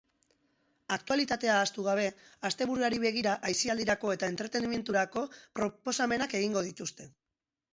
Aktualitatea ahaztu gabe, asteburuari begira aisialdirako eta entretenimendurako proposamenak egingo dituzte.